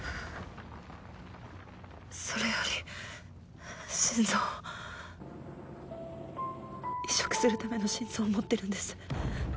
それより心臓を移植するための心臓を持ってるんです